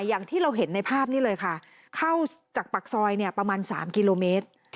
อย่างที่เราเห็นในภาพนี้เลยค่ะเข้าจากปากซอยประมาณ๓กิโลเมตร